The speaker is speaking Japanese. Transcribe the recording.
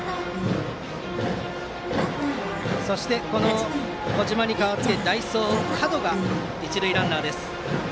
そして、小島に代わって代走は角が一塁ランナーです。